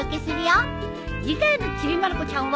次回の『ちびまる子ちゃん』は。